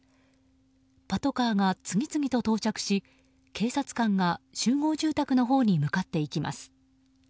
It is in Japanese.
パトカーが次々と到着し警察官が集合住宅のほうに向かっていきます。